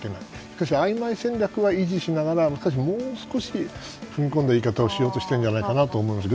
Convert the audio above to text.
しかしあいまい戦略は維持しながらしかし、もう少し踏み込んだ言い方をしようとしているのではと思います。